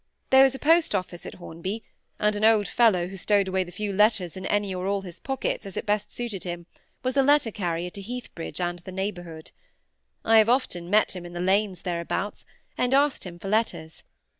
There was a post office at Hornby; and an old fellow, who stowed away the few letters in any or all his pockets, as it best suited him, was the letter carrier to Heathbridge and the neighbourhood. I have often met him in the lanes thereabouts, and asked him for letters.